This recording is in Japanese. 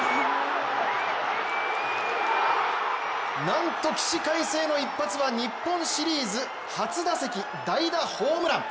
なんと起死回生の一発は日本シリーズ初打席代打ホームラン。